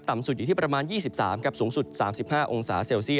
ต่ำสุดอยู่ที่ประมาณ๒๓องศาสูงสุด๓๕องศา